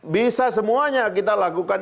bisa semuanya kita lakukan